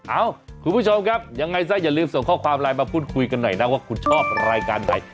เอ้าคุณผู้ชมครับยังไงซะอย่าลืมส่งข้อความไลน์มาพูดคุยกันหน่อยนะว่าคุณชอบรายการไหน